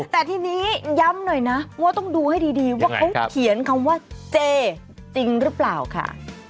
แต่ทีนี้ย้ำหน่อยนะว่าต้องดูให้ดีว่าเขาเขียนคำว่าเจจริงหรือเปล่าค่ะ